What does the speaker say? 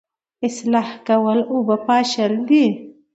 اصلاح کول اوبه پاشل دي